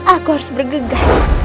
aku harus bergegas